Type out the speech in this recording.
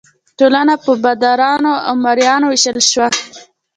ټولنه په بادارانو او مرئیانو وویشل شوه.